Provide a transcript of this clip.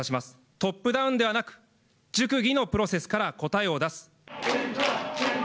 トップダウンではなく、熟議のプロセスから答えを出す。